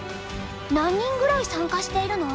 何人ぐらい参加しているの？